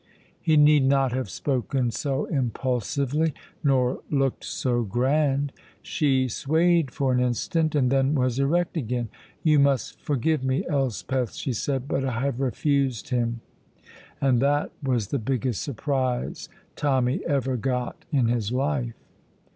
He need not have spoken so impulsively, nor looked so grand. She swayed for an instant and then was erect again. "You must forgive me, Elspeth," she said, "but I have refused him"; and that was the biggest surprise Tommy ever got in his life.